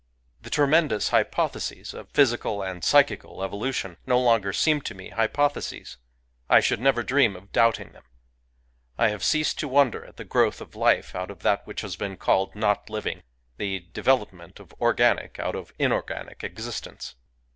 The tremendous hypotheses of physical and psychical evolution no longer seem to me hypothe ses: I should never dream of doubting them. I have ceased to wonder at the growth of Life out of that which has been called not living, — the devel opment of organic out of inorganic existence.